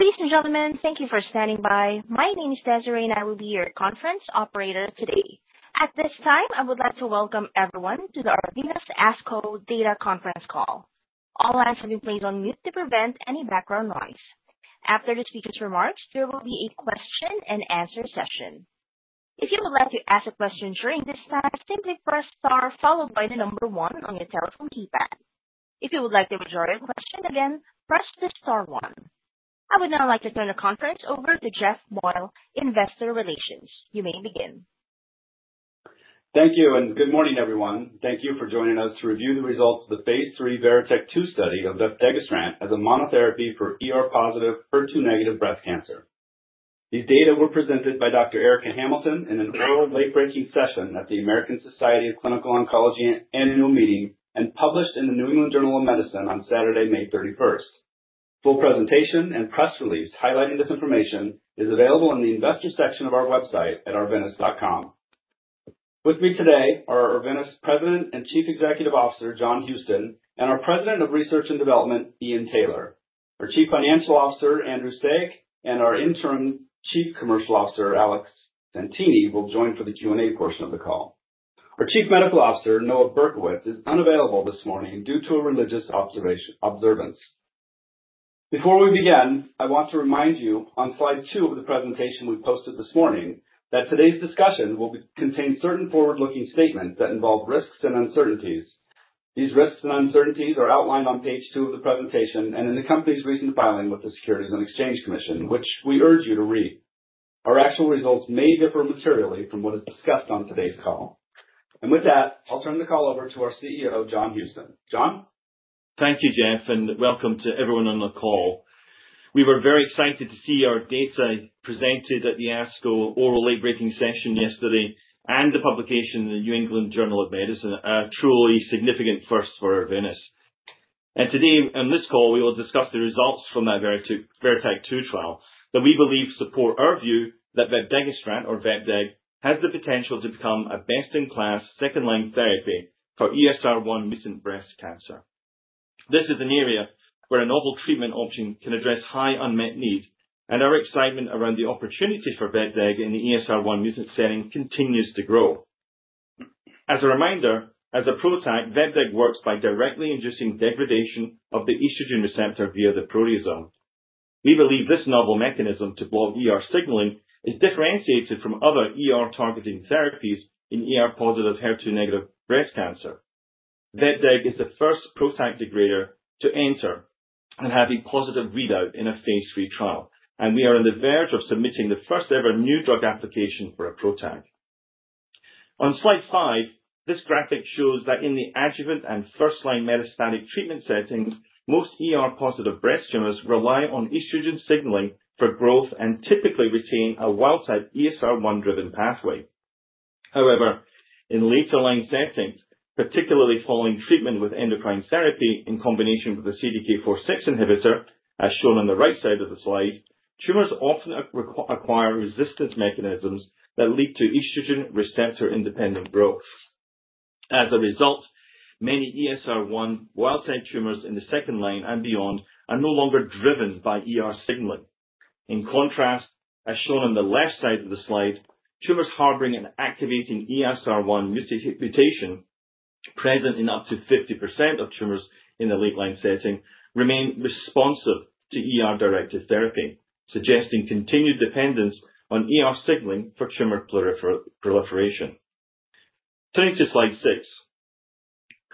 Ladies and gentlemen, thank you for standing by. My name is Desiree, and I will be your conference operator today. At this time, I would like to welcome everyone to the Arvinas as VERITAC-2 Data Conference Call. All lines will be placed on mute to prevent any background noise. After the speaker's remarks, there will be a question-and-answer session. If you would like to ask a question during this time, simply press star followed by the number one on your telephone keypad. If you would like to withdraw your question, again, press the star one. I would now like to turn the conference over to Jeff Boyle, Investor Relations. You may begin. Thank you, and good morning, everyone. Thank you for joining us to review the results of the phase III VERITAC-2 study of vepdegestrant as a monotherapy for ER-positive HER2-negative breast cancer. These data were presented by Dr. Erica Hamilton in an early late-breaking session at the American Society of Clinical Oncology annual meeting and published in the New England Journal of Medicine on Saturday, May 31st. Full presentation and press release highlighting this information is available in the investor section of our website at arvinas.com. With me today are Arvinas' President and Chief Executive Officer, John Houston, and our President of Research and Development, Ian Taylor. Our Chief Financial Officer, Andrew Saik, and our Interim Chief Commercial Officer, Alex Santini, will join for the Q&A portion of the call. Our Chief Medical Officer, Noah Berkowitz, is unavailable this morning due to a religious observance. Before we begin, I want to remind you on slide two of the presentation we posted this morning that today's discussion will contain certain forward-looking statements that involve risks and uncertainties. These risks and uncertainties are outlined on page two of the presentation and in the company's recent filing with the Securities and Exchange Commission, which we urge you to read. Our actual results may differ materially from what is discussed on today's call. With that, I'll turn the call over to our CEO, John Houston. John? Thank you, Jeff, and welcome to everyone on the call. We were very excited to see our data presented at the ASCO oral late-breaking session yesterday and the publication in the New England Journal of Medicine. A truly significant first for Arvinas. Today on this call, we will discuss the results from that VERITAC-2 trial that we believe support our view that vepdegestrant, or Befdeg, has the potential to become a best-in-class second-line therapy for ESR1 mutant breast cancer. This is an area where a novel treatment option can address high unmet needs, and our excitement around the opportunity for Befdeg in the ESR1 mutant setting continues to grow. As a reminder, as a PROTAC, Befdeg works by directly inducing degradation of the estrogen receptor via the proteasome. We believe this novel mechanism to block signaling is differentiated from other ER-targeting therapies in ER-positive HER2-negative breast cancer. Vepdegestrant is the first PROTAC degrader to enter and have a positive readout in a phase III trial, and we are on the verge of submitting the first-ever new drug application for a PROTAC. On slide five, this graphic shows that in the adjuvant and first-line metastatic treatment settings, most ER-positive breast tumors rely on estrogen signaling for growth and typically retain a wild-type ESR1-driven pathway. However, in later-line settings, particularly following treatment with endocrine therapy in combination with a CDK4/6 inhibitor, as shown on the right side of the slide, tumors often acquire resistance mechanisms that lead to estrogen receptor-independent growth. As a result, many ESR1 wild-type tumors in the second line and beyond are no longer driven by signaling. In contrast, as shown on the left side of the slide, tumors harboring an activating ESR1 mutation present in up to 50% of tumors in the late-line setting remain responsive to ER-directed therapy, suggesting continued dependence on signaling for tumor proliferation. Turning to slide six,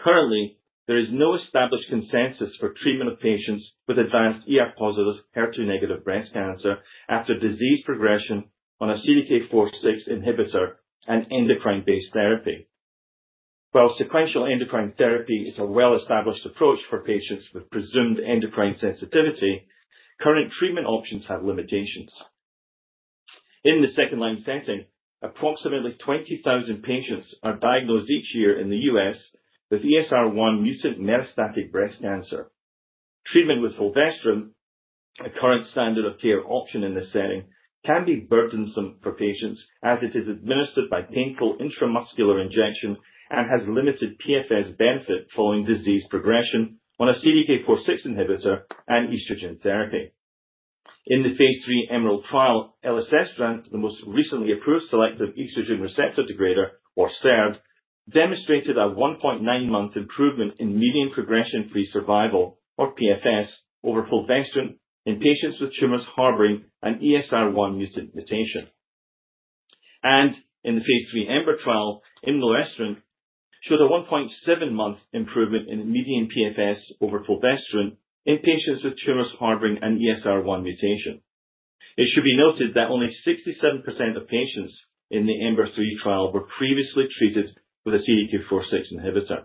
currently, there is no established consensus for treatment of patients with advanced ER-positive HER2-negative breast cancer after disease progression on a CDK4/6 inhibitor and endocrine-based therapy. While sequential endocrine therapy is a well-established approach for patients with presumed endocrine sensitivity, current treatment options have limitations. In the second-line setting, approximately 20,000 patients are diagnosed each year in the U.S. with ESR1 mutant metastatic breast cancer. Treatment with fulvestrant, a current standard of care option in this setting, can be burdensome for patients as it is administered by painful intramuscular injection and has limited PFS benefit following disease progression on a CDK4/6 inhibitor and estrogen therapy. In the phase III EMERALD trial, elacestrant, the most recently approved selective estrogen receptor degrader, or SERD, demonstrated a 1.9-month improvement in median progression-free survival, or PFS, over fulvestrant in patients with tumors harboring an ESR1 mutation. In the phase III EMBER trial, imlunestrant showed a 1.7-month improvement in median PFS over fulvestrant in patients with tumors harboring an ESR1 mutation. It should be noted that only 67% of patients in the EMBER III trial were previously treated with a CDK4/6 inhibitor.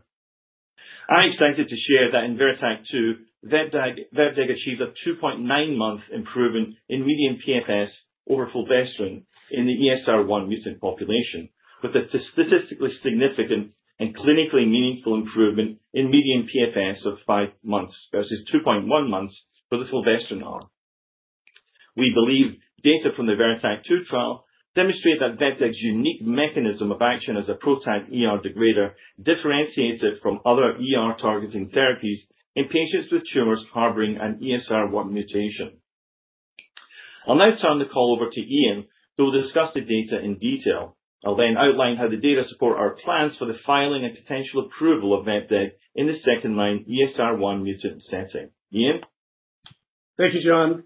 I'm excited to share that in VERITAC-2, vepdegestrant achieved a 2.9-months improvement in median PFS over fulvestrant in the ESR1 mutant population, with a statistically significant and clinically meaningful improvement in median PFS of five months versus 2.1 months for the fulvestrant arm. We believe data from the VERITAC-2 trial demonstrate that vepdegestrant's unique mechanism of action as a PROTAC degrader differentiates it from other ER-targeting therapies in patients with tumors harboring an ESR1 mutation. I'll now turn the call over to Ian, who will discuss the data in detail. I'll then outline how the data support our plans for the filing and potential approval of vepdegestrant in the second-line ESR1 mutant setting. Ian? Thank you, John.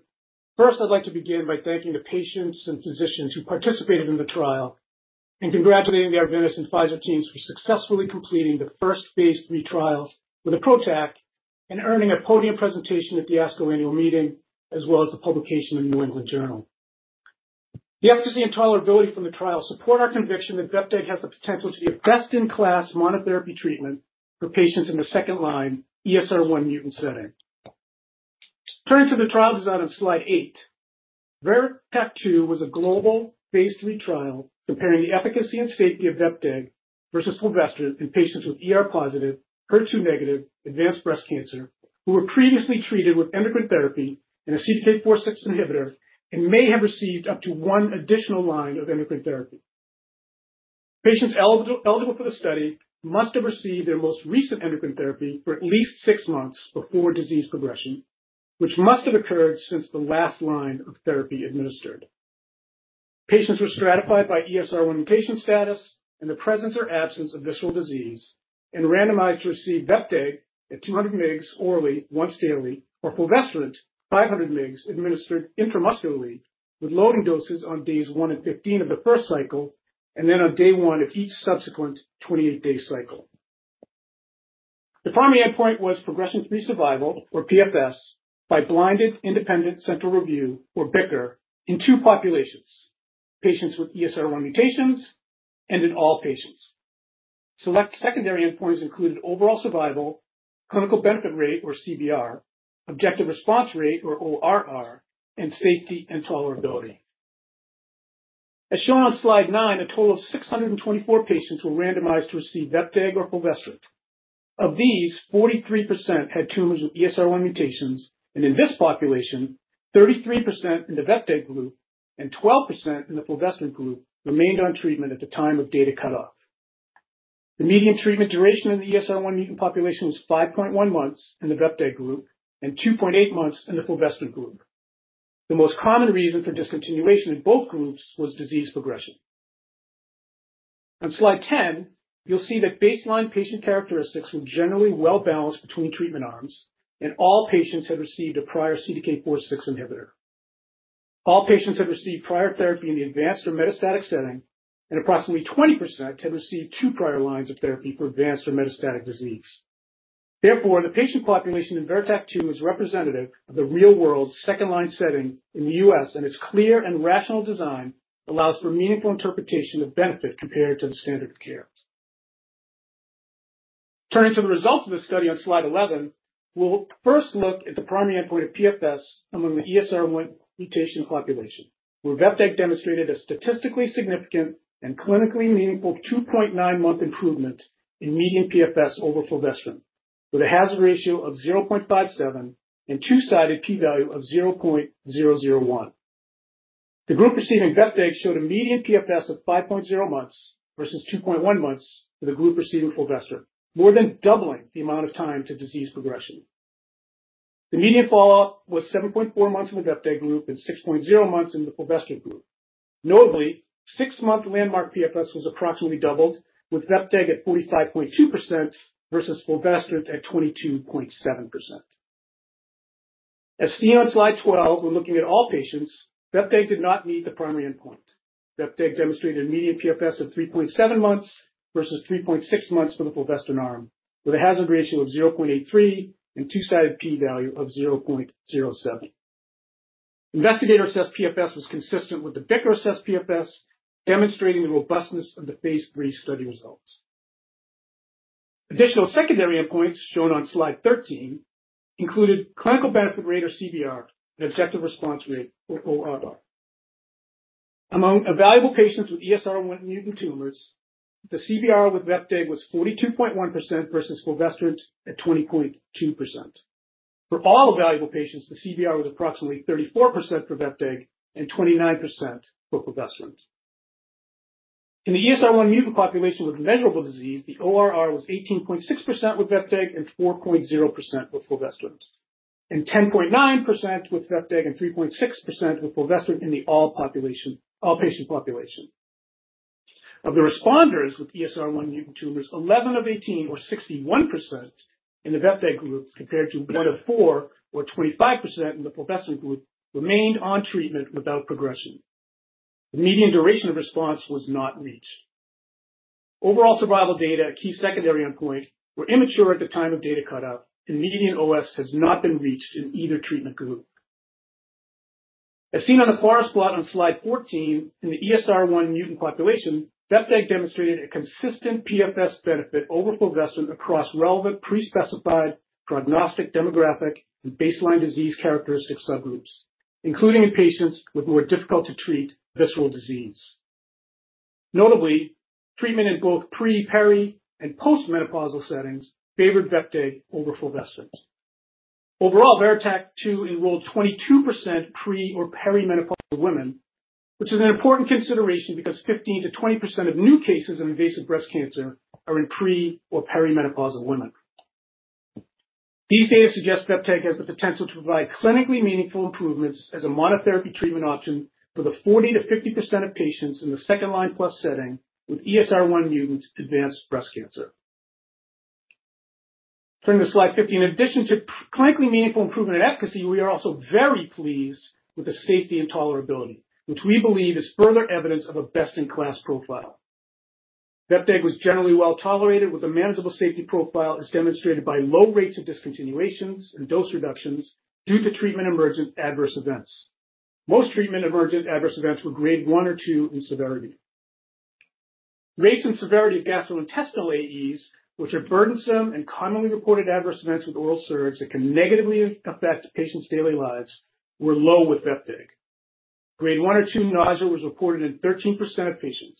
First, I'd like to begin by thanking the patients and physicians who participated in the trial and congratulating the Arvinas Pfizer teams for successfully completing the first phase III trials with a PROTAC and earning a podium presentation at the ASCO annual meeting, as well as the publication in the New England Journal. The efficacy and tolerability from the trial support our conviction that vepdegestrant has the potential to be a best-in-class monotherapy treatment for patients in the second-line ESR1 mutant setting. Turning to the trial design on slide eight, VERITAC-2 was a global phase III trial comparing the efficacy and safety of vepdegestrant versus fulvestrant in patients with ER-positive, HER2-negative advanced breast cancer who were previously treated with endocrine therapy and a CDK4/6 inhibitor and may have received up to one additional line of endocrine therapy. Patients eligible for the study must have received their most recent endocrine therapy for at least six months before disease progression, which must have occurred since the last line of therapy administered. Patients were stratified by ESR1 mutation status and the presence or absence of visceral disease and randomized to receive Befdeg at 200 mg orally once daily or fulvestrant 500 mg administered intramuscularly with loading doses on days one and 15 of the first cycle and then on day one of each subsequent 28-day cycle. The primary endpoint was progression-free survival, or PFS, by blinded independent central review, or BICR, in two populations: patients with ESR1 mutations and in all patients. Select secondary endpoints included overall survival, clinical benefit rate, or CBR, objective response rate, or ORR, and safety and tolerability. As shown on slide nine, a total of 624 patients were randomized to receive Befdeg or fulvestrant. Of these, 43% had tumors with ESR1 mutations, and in this population, 33% in the Befdeg group and 12% in the fulvestrant group remained on treatment at the time of data cutoff. The median treatment duration in the ESR1 mutant population was 5.1 months in the Befdeg group and 2.8 months in the fulvestrant group. The most common reason for discontinuation in both groups was disease progression. On slide 10, you'll see that baseline patient characteristics were generally well-balanced between treatment arms, and all patients had received a prior CDK4/6 inhibitor. All patients had received prior therapy in the advanced or metastatic setting, and approximately 20% had received two prior lines of therapy for advanced or metastatic disease. Therefore, the patient population in VERITAC-2 is representative of the real-world second-line setting in the U.S., and its clear and rational design allows for meaningful interpretation of benefit compared to the standard of care. Turning to the results of the study on slide 11, we'll first look at the primary endpoint of PFS among the ESR1 mutation population, where vepdegestrant demonstrated a statistically significant and clinically meaningful 2.9-months improvement in median PFS over fulvestrant, with a hazard ratio of 0.57 and two-sided p-value of 0.001. The group receiving vepdegestrant showed a median PFS of 5.0 months versus 2.1 months for the group receiving fulvestrant, more than doubling the amount of time to disease progression. The median follow-up was 7.4 months in the vepdegestrant group and 6.0 months in the fulvestrant group. Notably, six-month landmark PFS was approximately doubled, with vepdegestrant at 45.2% versus fulvestrant at 22.7%. As seen on slide 12, we're looking at all patients. Befdeg did not meet the primary endpoint. Befdeg demonstrated a median PFS of 3.7 months versus 3.6 months for the fulvestrant arm, with a hazard ratio of 0.83 and two-sided p-value of 0.07. Investigators assessed PFS was consistent with the BICR-assessed PFS, demonstrating the robustness of the phase III study results. Additional secondary endpoints shown on slide 13 included clinical benefit rate, or CBR, and objective response rate, or ORR. Among evaluable patients with ESR1 mutant tumors, the CBR with Befdeg was 42.1% versus fulvestrant at 20.2%. For all evaluable patients, the CBR was approximately 34% for Befdeg and 29% for fulvestrant. In the ESR1 mutant population with measurable disease, the ORR was 18.6% with Befdeg and 4.0% with fulvestrant, and 10.9% with Befdeg and 3.6% with fulvestrant in the all-patient population. Of the responders with ESR1 mutant tumors, 11 of 18, or 61%, in the Befdeg group compared to 1 of 4, or 25%, in the fulvestrant group, remained on treatment without progression. The median duration of response was not reached. Overall survival data at key secondary endpoint were immature at the time of data cutoff, and median OS has not been reached in either treatment group. As seen on the forest plot on slide 14, in the ESR1 mutant population, Befdeg demonstrated a consistent PFS benefit over fulvestrant across relevant pre-specified prognostic demographic and baseline disease characteristic subgroups, including in patients with more difficult-to-treat visceral disease. Notably, treatment in both pre, peri, and postmenopausal settings favored Befdeg over fulvestrant. Overall, VERITAC-2 enrolled 22% pre or perimenopausal women, which is an important consideration because 15%-20% of new cases of invasive breast cancer are in pre or perimenopausal women. These data suggest Befdeg has the potential to provide clinically meaningful improvements as a monotherapy treatment option for the 40%-50% of patients in the second-line plus setting with ESR1 mutant advanced breast cancer. Turning to slide 15, in addition to clinically meaningful improvement and efficacy, we are also very pleased with the safety and tolerability, which we believe is further evidence of a best-in-class profile. Befdeg was generally well tolerated, with a manageable safety profile as demonstrated by low rates of discontinuations and dose reductions due to treatment-emergent adverse events. Most treatment-emergent adverse events were grade one or two in severity. Rates and severity of gastrointestinal AEs, which are burdensome and commonly reported adverse events with oral SERDs that can negatively affect patients' daily lives, were low with Befdeg. Grade one or two nausea was reported in 13% of patients.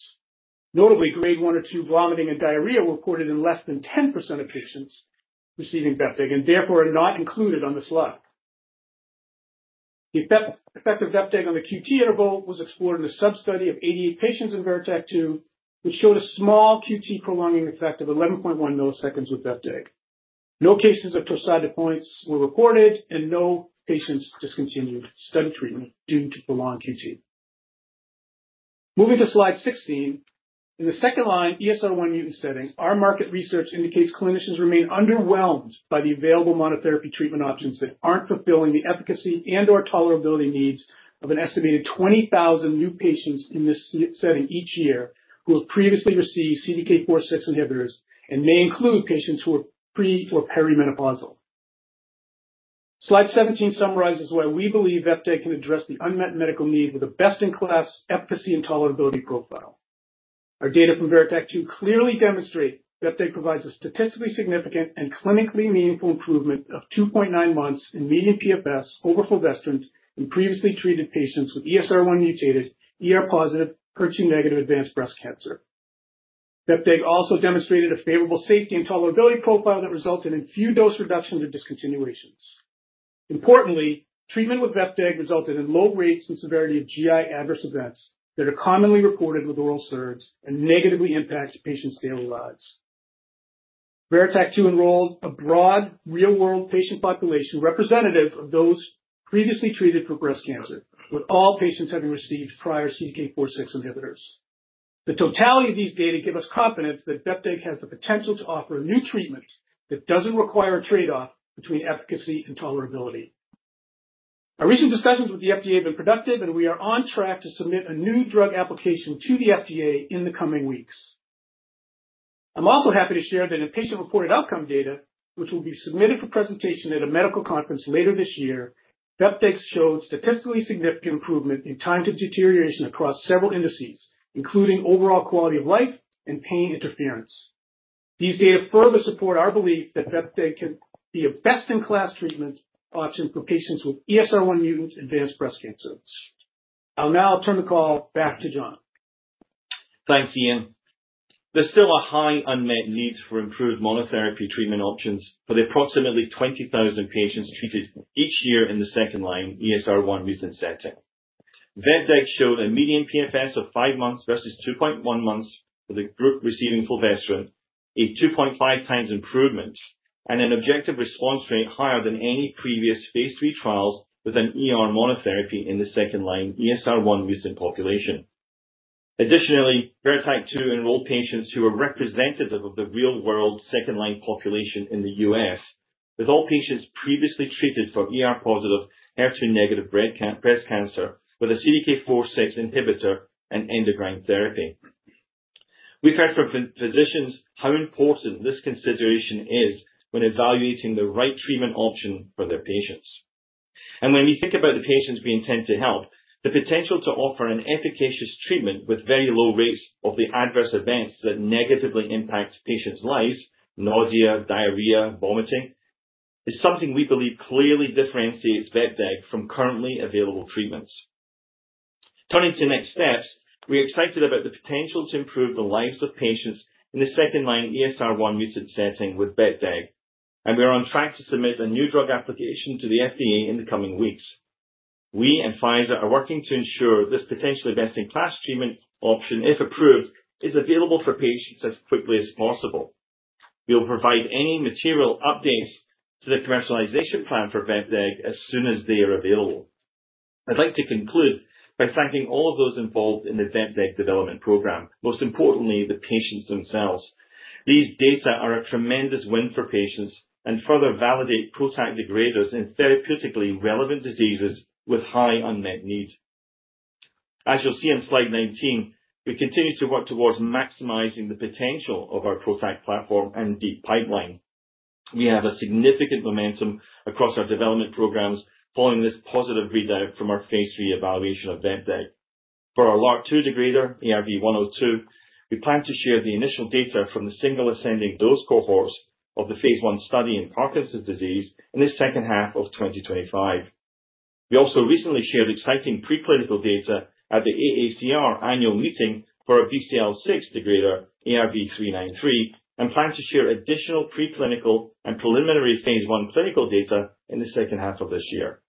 Notably, grade one or two vomiting and diarrhea were reported in less than 10% of patients receiving Befdeg and therefore are not included on the slide. The effect of Befdeg on the QT interval was explored in a sub-study of 88 patients in VERITAC-2, which showed a small QT prolonging effect of 11.1 milliseconds with Befdeg. No cases of torsade de pointes were reported, and no patients discontinued study treatment due to prolonged QT. Moving to slide 16, in the second-line ESR1 mutant setting, our market research indicates clinicians remain underwhelmed by the available monotherapy treatment options that aren't fulfilling the efficacy and/or tolerability needs of an estimated 20,000 new patients in this setting each year who have previously received CDK4/6 inhibitors and may include patients who are pre or perimenopausal. Slide 17 summarizes why we believe Befdeg can address the unmet medical need with a best-in-class efficacy and tolerability profile. Our data from VERITAC-2 clearly demonstrate Befdeg provides a statistically significant and clinically meaningful improvement of 2.9 months in median PFS over fulvestrant in previously treated patients with ESR1 mutated, ER-positive, HER2-negative advanced breast cancer. Befdeg also demonstrated a favorable safety and tolerability profile that resulted in few dose reductions or discontinuations. Importantly, treatment with Befdeg resulted in low rates and severity of GI adverse events that are commonly reported with oral SERDs and negatively impact patients' daily lives. VERITAC-2 enrolled a broad real-world patient population representative of those previously treated for breast cancer, with all patients having received prior CDK4/6 inhibitors. The totality of these data gives us confidence that Befdeg has the potential to offer a new treatment that does not require a trade-off between efficacy and tolerability. Our recent discussions with the FDA have been productive, and we are on track to submit a new drug application to the FDA in the coming weeks. I'm also happy to share that in patient-reported outcome data, which will be submitted for presentation at a medical conference later this year, Befdeg showed statistically significant improvement in time to deterioration across several indices, including overall quality of life and pain interference. These data further support our belief that Befdeg can be a best-in-class treatment option for patients with ESR1 mutant advanced breast cancer. I'll now turn the call back to John. Thanks, Ian. There's still a high unmet need for improved monotherapy treatment options for the approximately 20,000 patients treated each year in the second-line ESR1 mutant setting. Befdeg showed a median PFS of five months versus 2.1 months for the group receiving fulvestrant, a 2.5 times improvement, and an objective response rate higher than any previous phase III trials with a monotherapy in the second-line ESR1 mutant population. Additionally, VERITAC-2 enrolled patients who are representative of the real-world second-line population in the US, with all patients previously treated for ER-positive, HER2-negative breast cancer with a CDK4/6 inhibitor and endocrine therapy. We've heard from physicians how important this consideration is when evaluating the right treatment option for their patients. When we think about the patients we intend to help, the potential to offer an efficacious treatment with very low rates of the adverse events that negatively impact patients' lives—nausea, diarrhea, vomiting—is something we believe clearly differentiates Befdeg from currently available treatments. Turning to next steps, we're excited about the potential to improve the lives of patients in the second-line ESR1 mutant setting with Befdeg, and we are on track to submit a new drug application to the FDA in the coming weeks. We and Pfizer are working to ensure this potentially best-in-class treatment option, if approved, is available for patients as quickly as possible. We will provide any material updates to the commercialization plan for Befdeg as soon as they are available. I'd like to conclude by thanking all of those involved in the Befdeg development program, most importantly, the patients themselves. These data are a tremendous win for patients and further validate PROTAC degraders in therapeutically relevant diseases with high unmet needs. As you'll see on slide 19, we continue to work towards maximizing the potential of our PROTAC platform and deep pipeline. We have significant momentum across our development programs following this positive readout from our phase III evaluation of vepdegestrant. For our LRRK2 degrader, ERV-102, we plan to share the initial data from the single ascending dose cohorts of the phase I study in Parkinson's disease in the second half of 2025. We also recently shared exciting preclinical data at the AACR annual meeting for our BCL-6 degrader, ERV-393, and plan to share additional preclinical and preliminary phase I clinical data in the second half of this year.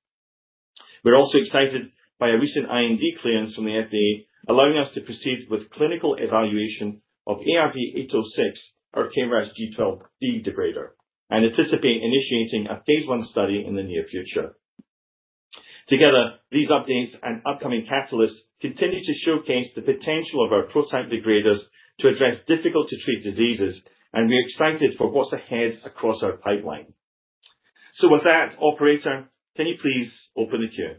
We're also excited by a recent IND clearance from the FDA, allowing us to proceed with clinical evaluation of ERV-806, our KRAS G12D degrader, and anticipate initiating a phase I study in the near future. Together, these updates and upcoming catalysts continue to showcase the potential of our PROTAC degraders to address difficult-to-treat diseases, and we're excited for what's ahead across our pipeline. Operator, can you please open the queue?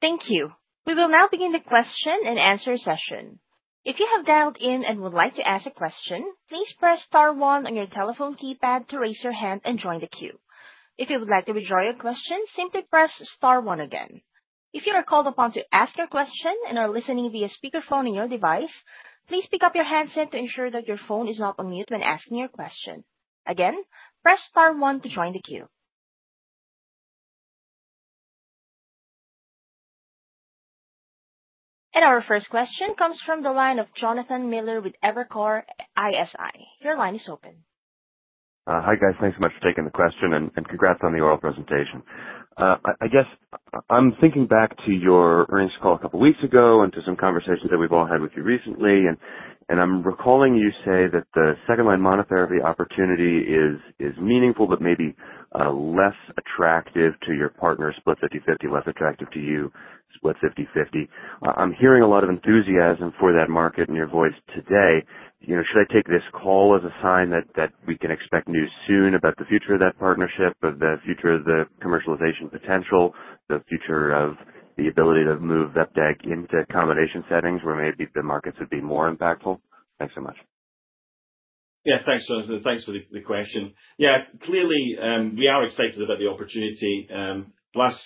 Thank you. We will now begin the question and answer session. If you have dialed in and would like to ask a question, please press star one on your telephone keypad to raise your hand and join the queue. If you would like to withdraw your question, simply press star one again. If you are called upon to ask your question and are listening via speakerphone in your device, please pick up your handset to ensure that your phone is not on mute when asking your question. Again, press star one to join the queue. Our first question comes from the line of Jonathan Miller with Evercore ISI. Your line is open. Hi, guys. Thanks so much for taking the question, and congrats on the oral presentation. I guess I'm thinking back to your earnings call a couple of weeks ago and to some conversations that we've all had with you recently. I'm recalling you say that the second-line monotherapy opportunity is meaningful but maybe less attractive to your partner, split 50/50, less attractive to you, split 50/50. I'm hearing a lot of enthusiasm for that market in your voice today. Should I take this call as a sign that we can expect news soon about the future of that partnership, the future of the commercialization potential, the future of the ability to move Befdeg into combination settings where maybe the markets would be more impactful? Thanks so much. Yes, thanks, Jonathan. Thanks for the question. Yeah, clearly, we are excited about the opportunity. The last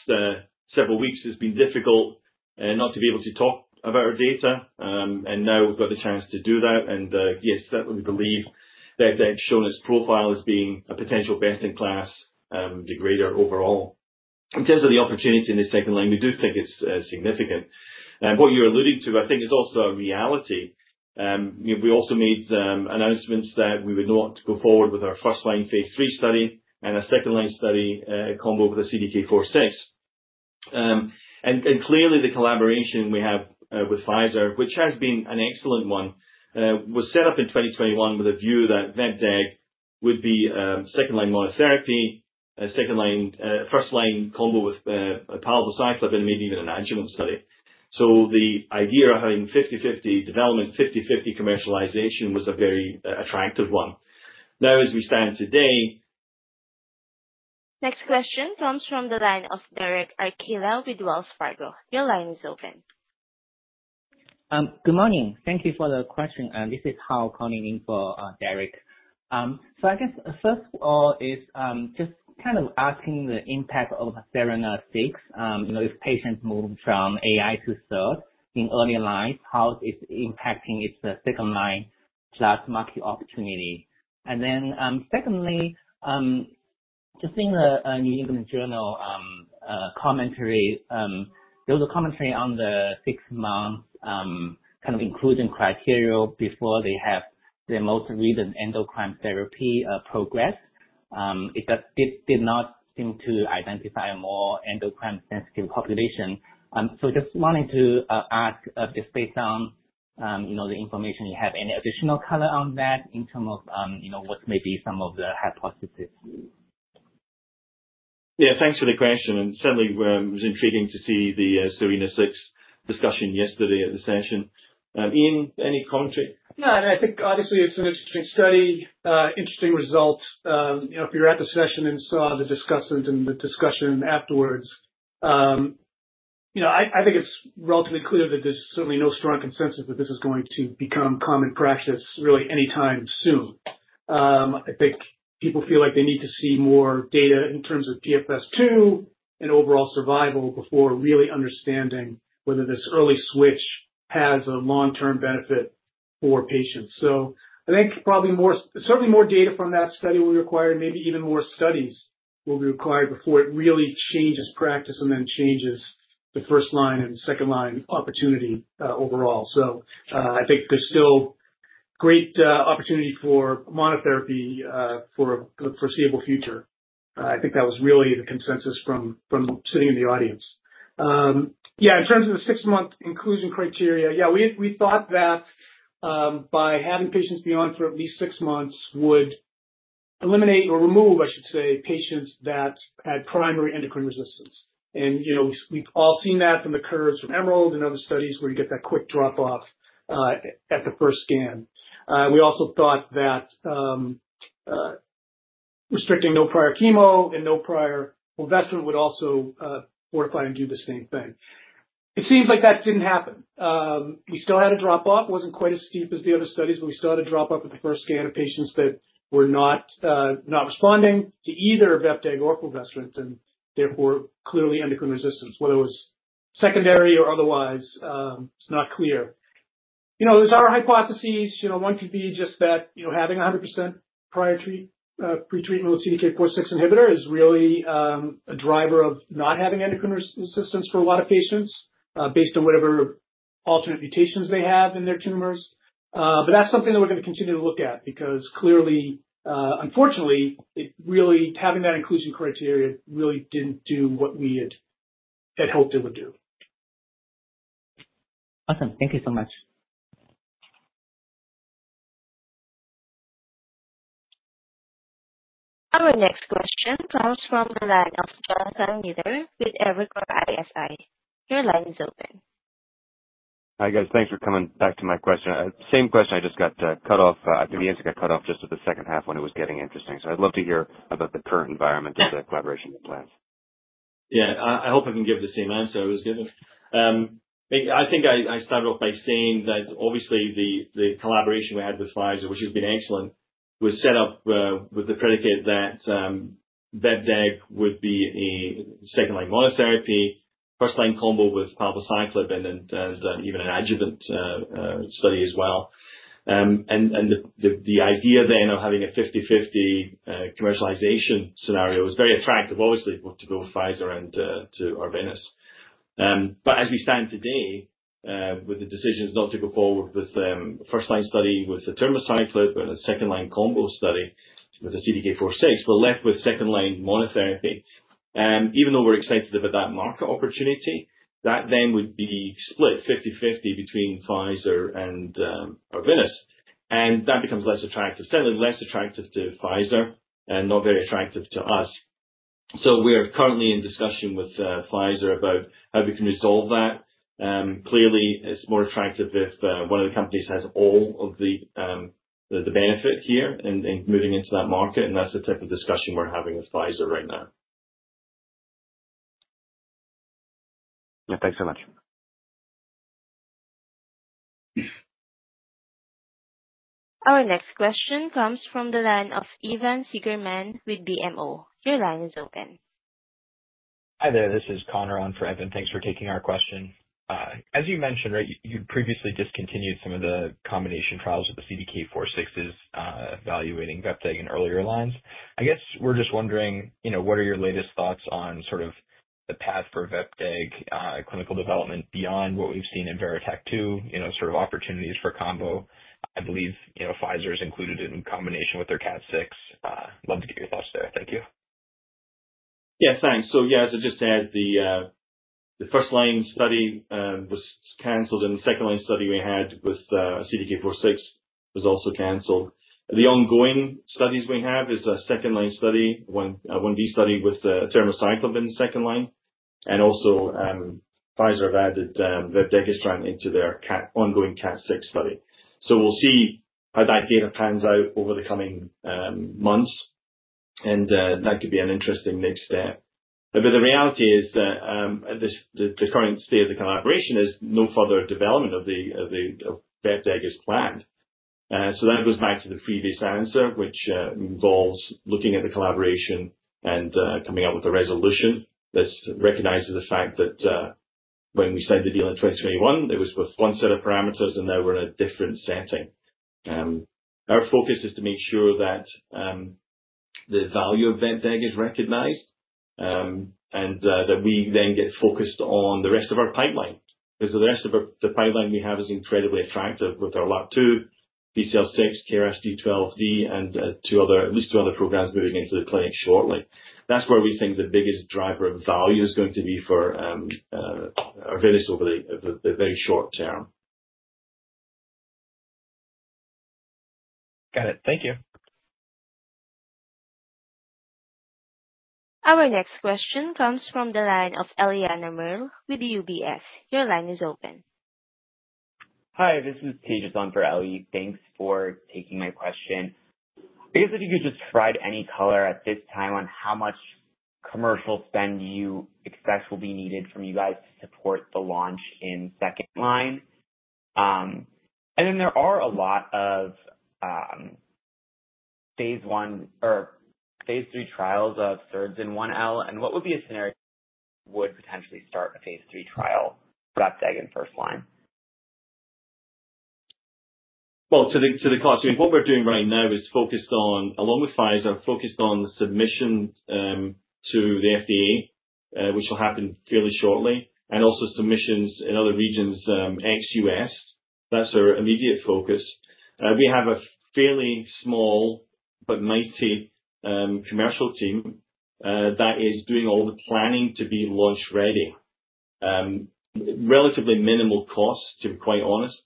several weeks has been difficult not to be able to talk about our data, and now we've got the chance to do that. Yes, certainly, we believe that Befdeg's profile is being a potential best-in-class degrader overall. In terms of the opportunity in the second line, we do think it's significant. What you're alluding to, I think, is also a reality. We also made announcements that we would not go forward with our first-line phase III study and our second-line study combo with the CDK4/6. Clearly, the collaboration we have with Pfizer, which has been an excellent one, was set up in 2021 with a view that Befdeg would be second-line monotherapy, first-line combo with palbociclib, and maybe even an adjuvant study. The idea of having 50/50 development, 50/50 commercialization was a very attractive one. Now, as we stand today. Next question comes from the line of Derek Archila with Wells Fargo. Your line is open. Good morning. Thank you for the question. This is Hou calling in for Derek. First of all, just kind of asking the impact of SERENA-6, if patients move from AI to SERD in early line, how is it impacting its second-line plus market opportunity? Secondly, just seeing the New England Journal commentary, there was a commentary on the six-month kind of inclusion criteria before they have their most recent endocrine therapy progress. It did not seem to identify a more endocrine-sensitive population. Just wanting to ask, just based on the information you have, any additional color on that in terms of what may be some of the hypotheses? Yeah, thanks for the question. Certainly, it was intriguing to see the Serena 6 discussion yesterday at the session. Ian, any commentary? Yeah, I think, obviously, it's an interesting study, interesting result. If you're at the session and saw the discussion and the discussion afterwards, I think it's relatively clear that there's certainly no strong consensus that this is going to become common practice really anytime soon. I think people feel like they need to see more data in terms of PFS2 and overall survival before really understanding whether this early switch has a long-term benefit for patients. I think probably certainly more data from that study will be required, maybe even more studies will be required before it really changes practice and then changes the first-line and second-line opportunity overall. I think there's still great opportunity for monotherapy for the foreseeable future. I think that was really the consensus from sitting in the audience. Yeah, in terms of the six-month inclusion criteria, yeah, we thought that by having patients be on for at least six months would eliminate or remove, I should say, patients that had primary endocrine resistance. We've all seen that from the curves from EMERALD and other studies where you get that quick drop-off at the first scan. We also thought that restricting no prior chemo and no prior fulvestrant would also fortify and do the same thing. It seems like that did not happen. We still had a drop-off. It was not quite as steep as the other studies, but we still had a drop-off at the first scan of patients that were not responding to either vepdegestrant or fulvestrant, and therefore, clearly endocrine resistance, whether it was secondary or otherwise, it is not clear. There is our hypotheses. One could be just that having 100% prior pretreatment with CDK4/6 inhibitor is really a driver of not having endocrine resistance for a lot of patients based on whatever alternate mutations they have in their tumors. That is something that we are going to continue to look at because clearly, unfortunately, having that inclusion criteria really did not do what we had hoped it would do. Awesome. Thank you so much. Our next question comes from the line of Jonathan Miller with Evercore ISI. Your line is open. Hi, guys. Thanks for coming back to my question. Same question, I just got cut off. I think the answer got cut off just at the second half when it was getting interesting. I’d love to hear about the current environment of the collaboration and plans. Yeah, I hope I can give the same answer I was giving. I think I started off by saying that obviously, the collaboration we had with Pfizer, which has been excellent, was set up with the predicate that Befdeg would be a second-line monotherapy, first-line combo with palbociclib, and even an adjuvant study as well. The idea then of having a 50/50 commercialization scenario was very attractive, obviously, to both Pfizer and to Arvinas. As we stand today with the decisions not to go forward with the first-line study with the termocycline and a second-line combo study with the CDK4/6, we're left with second-line monotherapy. Even though we're excited about that market opportunity, that then would be split 50/50 between Pfizer and Arvinas. That becomes less attractive, certainly less attractive to Pfizer and not very attractive to us. We're currently in discussion with Pfizer about how we can resolve that. Clearly, it's more attractive if one of the companies has all of the benefit here in moving into that market. That's the type of discussion we're having with Pfizer right now. Yeah, thanks so much. Our next question comes from the line of Evan Siegelman with BMO. Your line is open. Hi there. This is Connor on for Evan. Thanks for taking our question. As you mentioned, right, you previously discontinued some of the combination trials with the CDK4/6 evaluating vepdegestrant in earlier lines. I guess we're just wondering, what are your latest thoughts on sort of the path for Befdeg clinical development beyond what we've seen in VERITAC-2, sort of opportunities for combo? I believe Pfizer is included in combination with their CDK4/6. Love to get your thoughts there. Thank you. Yes, thanks. So yeah, as I just said, the first-line study was canceled, and the second-line study we had with CDK4/6 was also canceled. The ongoing studies we have is a second-line study, one B study with abemaciclib in the second line. Also, Pfizer have added vepdegestrant into their ongoing CAT6 study. We will see how that data pans out over the coming months. That could be an interesting next step. The reality is that the current state of the collaboration is no further development of vepdegestrant is planned. That goes back to the previous answer, which involves looking at the collaboration and coming up with a resolution that recognizes the fact that when we signed the deal in 2021, it was with one set of parameters, and now we are in a different setting. Our focus is to make sure that the value of vepdegestrant is recognized and that we then get focused on the rest of our pipeline. Because the rest of the pipeline we have is incredibly attractive with our ERV-102, ERV-393, ERV-806, and at least two other programs moving into the clinic shortly. That's where we think the biggest driver of value is going to be for Arvinas over the very short-term. Got it. Thank you. Our next question comes from the line of Eliana Merle with UBS. Your line is open. Hi, this is Tiju Thom for Eli. Thanks for taking my question. I guess if you could just provide any color at this time on how much commercial spend you expect will be needed from you guys to support the launch in second-line. There are a lot of phase one or phase three trials of SERD in one L. What would be a scenario that would potentially start a phase three trial for Befdeg in first line? To the class, I mean, what we're doing right now is focused on, along with Pfizer, focused on submission to the FDA, which will happen fairly shortly, and also submissions in other regions, ex-U.S. That's our immediate focus. We have a fairly small but mighty commercial team that is doing all the planning to be launch-ready. Relatively minimal cost, to be quite honest.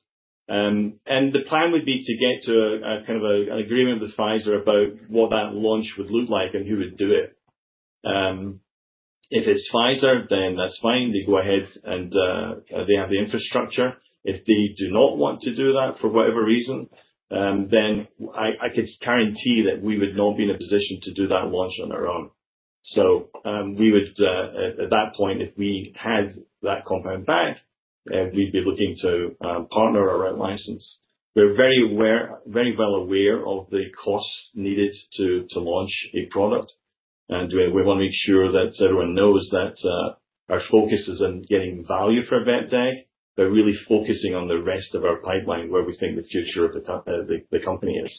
The plan would be to get to kind of an agreement with Pfizer about what that launch would look like and who would do it. If it's Pfizer, then that's fine. They go ahead and they have the infrastructure. If they do not want to do that for whatever reason, then I could guarantee that we would not be in a position to do that launch on our own. We would, at that point, if we had that compound back, be looking to partner or write license. We are very well aware of the costs needed to launch a product. We want to make sure that everyone knows that our focus is on getting value for Befdeg, but really focusing on the rest of our pipeline where we think the future of the company is.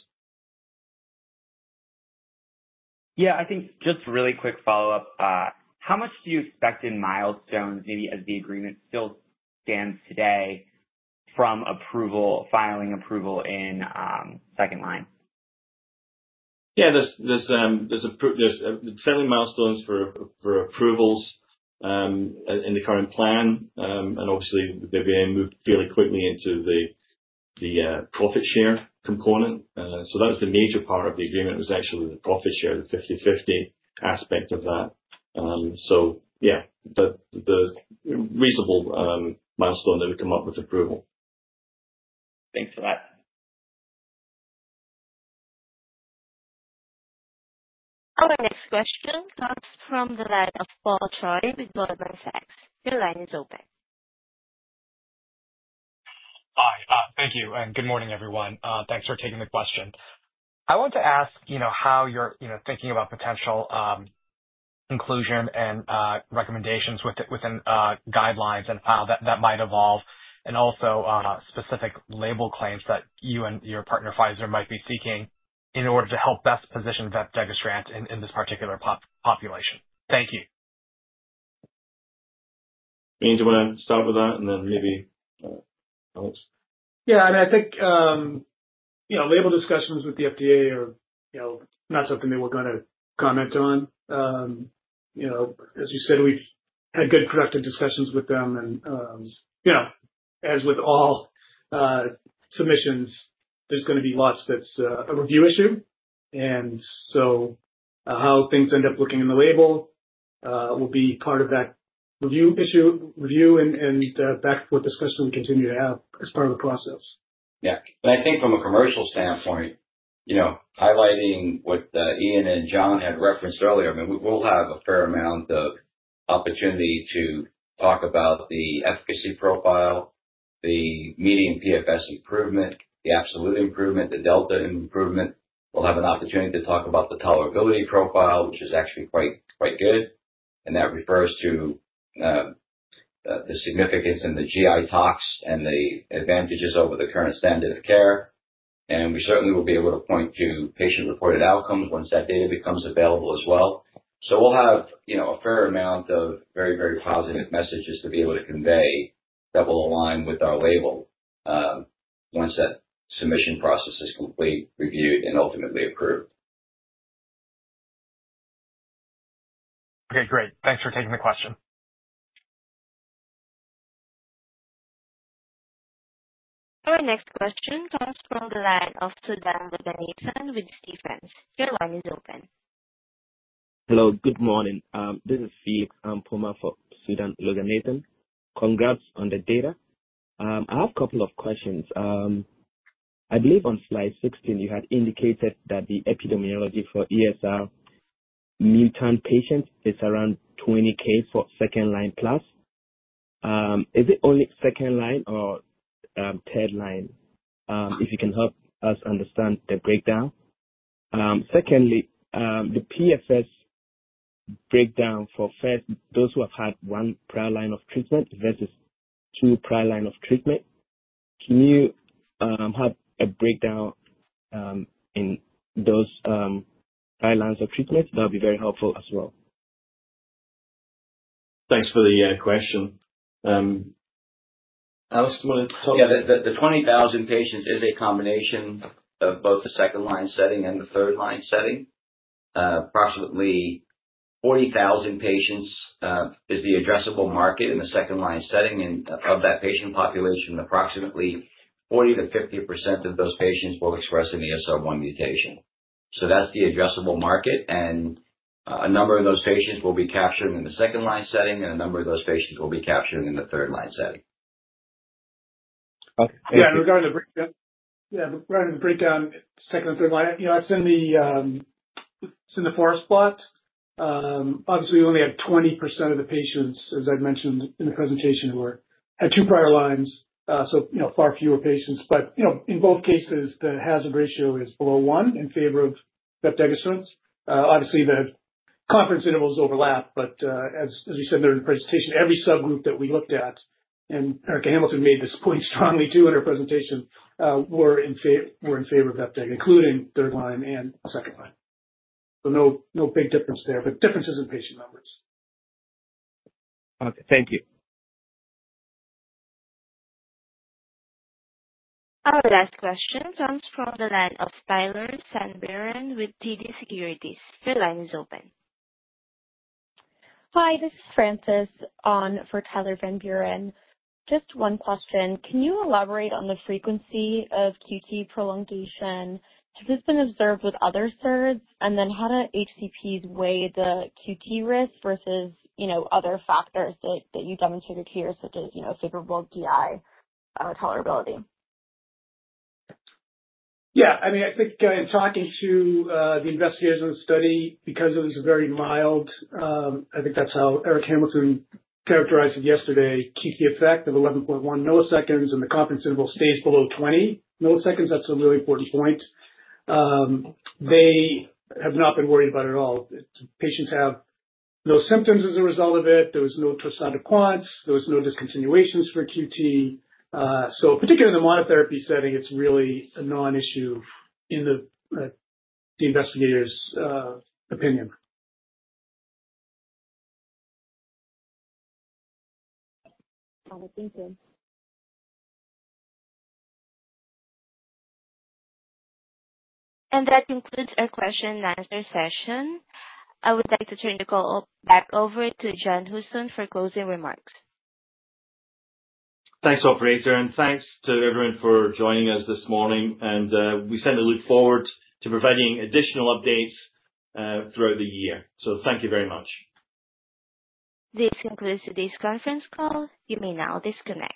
Yeah, I think just really quick follow-up. How much do you expect in milestones, maybe as the agreement still stands today, from filing approval in second-line? Yeah, there's certainly milestones for approvals in the current plan. Obviously, they've been moved fairly quickly into the profit share component. That was the major part of the agreement, was actually the profit share, the 50/50 aspect of that. Yeah, the reasonable milestone that we come up with approval. Thanks for that. Our next question comes from the line of Paul Choi with Goldman Sachs. Your line is open. Hi. Thank you. And good morning, everyone. Thanks for taking the question. I want to ask how you're thinking about potential inclusion and recommendations within guidelines and how that might evolve, and also specific label claims that you and your partner, Pfizer, might be seeking in order to help best position vepdegestrant in this particular population. Thank you. Ian, do you want to start with that, and then maybe Alex? Yeah. I mean, I think label discussions with the FDA are not something that we're going to comment on. As you said, we've had good productive discussions with them. As with all submissions, there's going to be lots that's a review issue. How things end up looking in the label will be part of that review issue and backward discussion we continue to have as part of the process. Yeah. I think from a commercial standpoint, highlighting what Ian and John had referenced earlier, I mean, we'll have a fair amount of opportunity to talk about the efficacy profile, the median PFS improvement, the absolute improvement, the delta improvement. We'll have an opportunity to talk about the tolerability profile, which is actually quite good. That refers to the significance in the GI tox and the advantages over the current standard of care. We certainly will be able to point to patient-reported outcomes once that data becomes available as well. We'll have a fair amount of very, very positive messages to be able to convey that will align with our label once that submission process is complete, reviewed, and ultimately approved. Okay. Great. Thanks for taking the question. Our next question comes from the line of Sudan Loganathan with Stephens. Your line is open. Hello. Good morning. This is Felix Poma for Sudan Loganathan. Congrats on the data. I have a couple of questions. I believe on slide 16, you had indicated that the epidemiology for ESR1 mutant patients is around 20,000 for second-line plus. Is it only second-line or third-line? If you can help us understand the breakdown. Secondly, the PFS breakdown for those who have had one prior line of treatment versus two prior lines of treatment. Can you have a breakdown in those guidelines of treatment? That would be very helpful as well. Thanks for the question. Alex, do you want to talk? Yeah. The 20,000 patients is a combination of both the second-line setting and the third-line setting. Approximately 40,000 patients is the addressable market in the second-line setting. Of that patient population, approximately 40-50% of those patients will express an ESR1 mutation. That's the addressable market. A number of those patients will be captured in the second-line setting, and a number of those patients will be captured in the third-line setting. Yeah. Regarding the breakdown. Yeah. Regarding the breakdown, second and third line, it's in the forest plot. Obviously, we only had 20% of the patients, as I mentioned in the presentation, who were at two prior lines, so far fewer patients. In both cases, the hazard ratio is below one in favor of Befdeg. Obviously, the confidence intervals overlap, but as you said there in the presentation, every subgroup that we looked at, and Erica Hamilton made this point strongly too in her presentation, were in favor of Befdeg, including third-line and second-line. No big difference there, but differences in patient numbers. Okay. Thank you. Our last question comes from the line of Tyler Van Buren with TD Securities. Your line is open. Hi. This is Frances on for Tyler Van Buren. Just one question. Can you elaborate on the frequency of QT prolongation? Has this been observed with other SERD? How do HCPs weigh the QT risk versus other factors that you demonstrated here, such as favorable GI tolerability? Yeah. I mean, I think in talking to the investigators of the study, because it was very mild, I think that's how Erica Hamilton characterized it yesterday, keeps the effect of 11.1 milliseconds, and the confidence interval stays below 20 milliseconds. That's a really important point. They have not been worried about it at all. Patients have no symptoms as a result of it. There was no Torsades de Pointes. There was no discontinuations for QT. Particularly in the monotherapy setting, it's really a non-issue in the investigators' opinion. Thank you. That concludes our question-and-answer session. I would like to turn the call back over to John Houston for closing remarks. Thanks, everybody. Thanks to everyone for joining us this morning. We certainly look forward to providing additional updates throughout the year. Thank you very much. This concludes today's conference call. You may now disconnect.